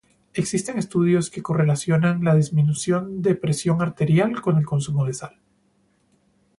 Existen estudios que correlacionan la disminución de presión arterial con el consumo de sal.